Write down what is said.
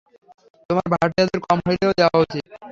তোমার ভাড়াটিয়াদের কম হইলেও, দেওয়া উচিত।